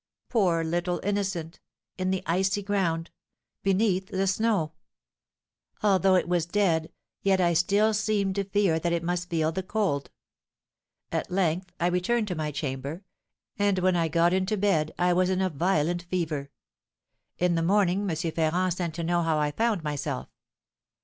Poor little innocent! in the icy ground, beneath the snow! Although it was dead, yet I still seemed to fear that it must feel the cold. At length I returned to my chamber; and when I got into bed I was in a violent fever. In the morning M. Ferrand sent to know how I found myself.